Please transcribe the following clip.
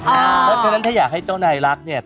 เพราะฉะนั้นถ้าอยากให้เจ้านายรักเนี่ย